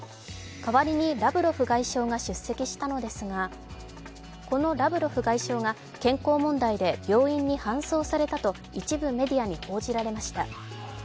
代わりにラブロフ外相が出席したのですが、このラブロフ外相が健康問題で病院に搬送されたと一部メディアに報じられました。